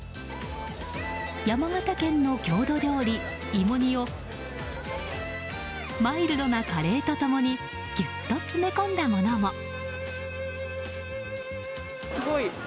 山形県の郷土料理、いも煮をマイルドなカレーと共にぎゅっと詰め込んだものも。